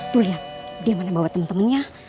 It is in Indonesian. tuh liat dia mana bawa temen temennya